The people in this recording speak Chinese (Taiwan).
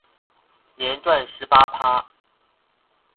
年賺十八趴